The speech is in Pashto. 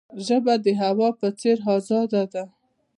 ژبه د هوا په څیر آزاده ده.